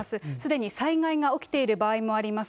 すでに災害が起きている場合もあります。